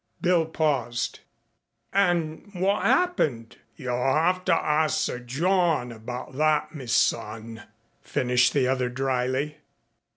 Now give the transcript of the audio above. Bill paused. "And what happened?" "You'll 'ave to arsk Sir John abaht that, me son," finished the other dryly.